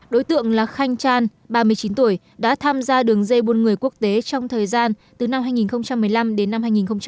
đối tượng là khanh chan ba mươi chín tuổi đã tham gia đường dây buôn người quốc tế trong thời gian từ năm hai nghìn một mươi năm đến năm hai nghìn một mươi chín